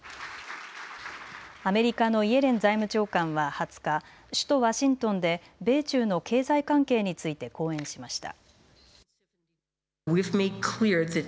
アメリカのイエレン財務長官は２０日、首都ワシントンで米中の経済関係について講演しました。